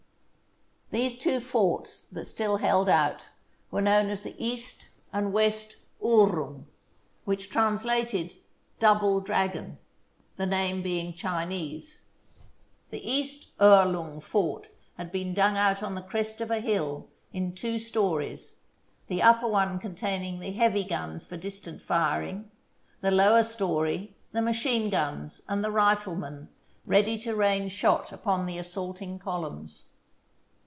These two forts that still held out were known as the East and West Uhrlung, which is translated " Double dragon," the name being Chinese. The East Uhrlung fort had been dug out on the THE SIEGE OF PORT ARTHUR crest of a hill in two stories, the upper one contain ing the heavy guns for distant firing, the lower story the machine guns and the riflemen, ready to rain shot upon the assaulting columns.